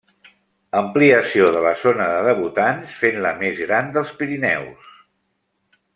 Ampliació de la zona de debutants fent-la la més gran dels Pirineus.